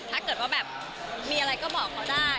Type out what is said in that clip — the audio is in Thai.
ถ้าเกิดแบบมีอะไรก็บอกเขาได้